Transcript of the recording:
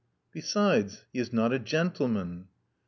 "Besides, he is not a gentleman."